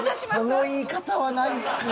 その言い方はないっすよ。